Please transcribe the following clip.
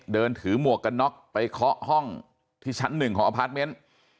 เดินถือหมวกกันน็อกไปเคาะห้องที่ชั้นหนึ่งของอพาร์ทเมนต์